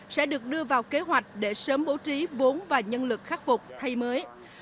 sẽ được đưa vào kế hoạch để sớm bố trí vốn và nhân lực khắc phục thay mới